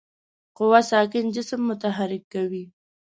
قوه ساکن جسم متحرک کوي.